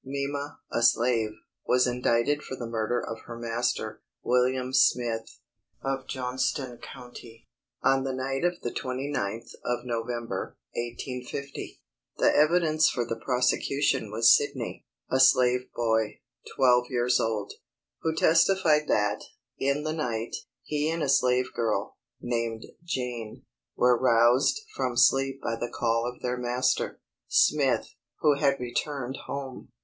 Mima, a slave, was indicted for the murder of her master, William Smith, of Johnston County, on the night of the 29th of November, 1850. The evidence for the prosecution was Sidney, a slave boy, twelve years old, who testified that, in the night, he and a slave girl, named Jane, were roused from sleep by the call of their master, Smith, who had returned home.